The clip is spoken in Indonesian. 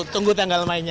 tunggu tanggal mainnya